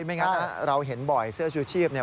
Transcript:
ไม่งั้นถ้าเราเห็นบ่อยเสื้อชีวิตชีวิตเนี่ย